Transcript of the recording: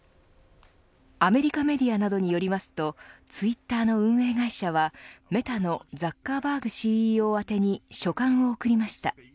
アメリカメディアなどによりますとツイッターの運営会社はメタのザッカーバーグＣＥＯ宛に書簡を送りました。